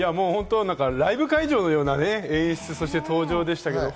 ライブ会場のような演出、そして登場でしたけど。